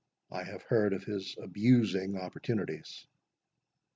I have heard of his abusing opportunities."